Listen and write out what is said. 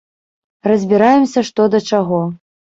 Разбіраемся, што да чаго.